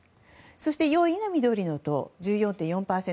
そして４位が緑の党１４．４％。